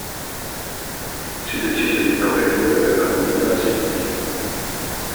Si decise di propendere per la guida a sinistra.